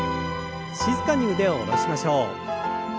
静かに腕を下ろしましょう。